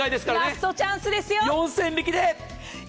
ラストチャンスですよ！